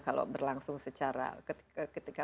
kalau berlangsung secara ketika